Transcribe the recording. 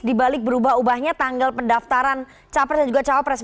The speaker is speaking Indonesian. dibalik berubah ubahnya tanggal pendaftaran calon presiden dan juga calon presiden